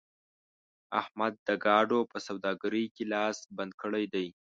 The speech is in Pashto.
احمد د ګاډو په سوداګرۍ کې لاس بند کړی دی.